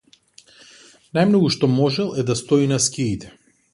Најмногу што можел е да стои на скиите.